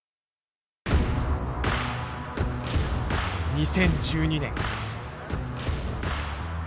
２０１２年。